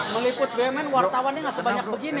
meliput bumn wartawannya gak sebanyak begini